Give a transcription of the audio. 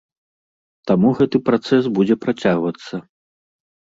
Таму гэты працэс будзе працягвацца.